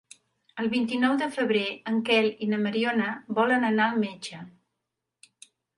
El vint-i-nou de febrer en Quel i na Mariona volen anar al metge.